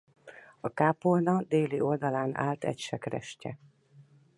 A kápolna déli oldal állt egy sekrestye.